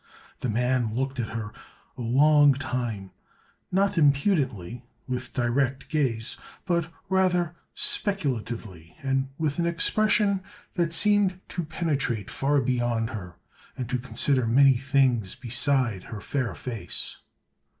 The man looked at her a long time; not impudently, with direct gaze, but rather speculatively and with an expression that seemed to penetrate far beyond her and to consider many things beside her fair face.